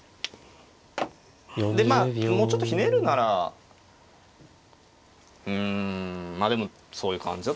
でまあもうちょっとひねるならうんまあでもそういう感じだと思うんすけどね。